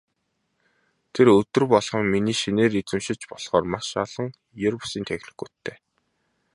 Тэр өдөр болгон миний шинээр эзэмшиж болохоор маш олон ер бусын техникүүдтэй.